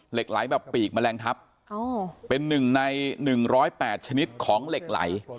เหล็กไหล่แบบปีกแมลงทัพอ๋อเป็นหนึ่งในหนึ่งร้อยแปดชนิดของเหล็กไหล่